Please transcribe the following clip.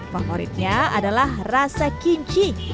favoritnya adalah rasa kimchi